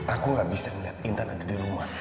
aku nggak bisa liat intan ada di rumah